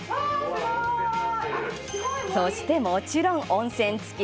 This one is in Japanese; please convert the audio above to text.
そして、もちろん温泉付き。